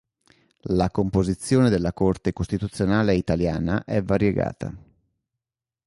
La composizione della Corte costituzionale italiana è variegata.